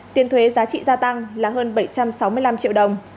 tiền thuế giá trị gia tăng là hơn bảy trăm sáu mươi năm triệu đồng